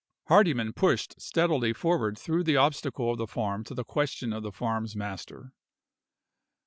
Hardyman pushed steadily forward through the obstacle of the farm to the question of the farm's master.